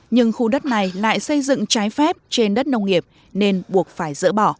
nhưng khu đất này lại xây dựng trái phép trên đất nông nghiệp nên buộc phải dỡ bỏ